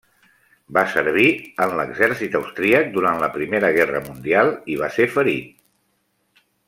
Va servir en l'exèrcit austríac durant la Primera Guerra mundial i va ser ferit.